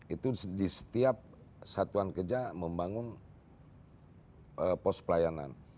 itu di setiap satuan kerja membangun pos pelayanan